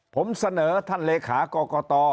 ผมเสนอท่านเลขากรกต